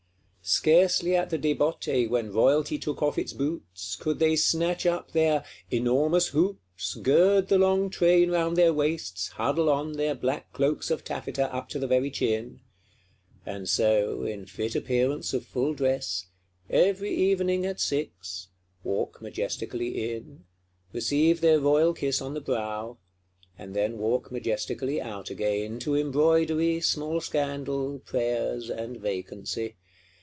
Scarcely at the Débotter (when Royalty took off its boots) could they snatch up their "enormous hoops, gird the long train round their waists, huddle on their black cloaks of taffeta up to the very chin;" and so, in fit appearance of full dress, "every evening at six," walk majestically in; receive their royal kiss on the brow; and then walk majestically out again, to embroidery, small scandal, prayers, and vacancy.